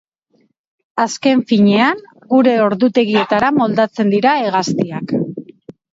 Azken finean, gure ordutegietara moldatzen dira hegaztiak.